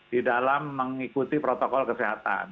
di dalam mengikuti protokol kesehatan